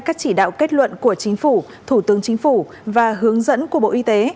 các chỉ đạo kết luận của chính phủ thủ tướng chính phủ và hướng dẫn của bộ y tế